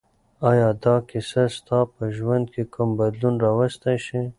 آیا دا کیسه ستا په ژوند کې کوم بدلون راوستی شي؟